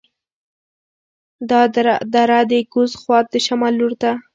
دا دره د کوز خوات د شمال لور ته